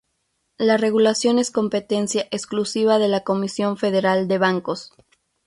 La regulación es competencia exclusiva de la Comisión Federal de Bancos.